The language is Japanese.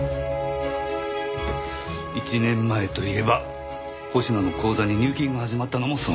１年前といえば保科の口座に入金が始まったのもその頃です。